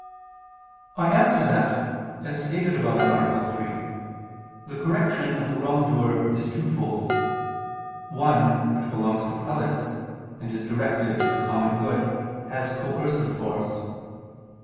I answer that, As stated above (A. 3) the correction of the wrongdoer is twofold. One, which belongs to prelates, and is directed to the common good, has coercive force.